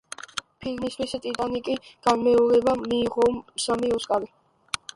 ფილმისთვის „ტიტანიკი“ კამერონმა მიიღო სამი ოსკარი.